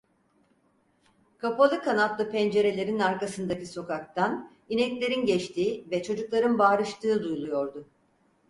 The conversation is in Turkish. Kapalı kanatlı pencerelerin arkasındaki sokaktan ineklerin geçtiği ve çocukların bağrıştığı duyuluyordu.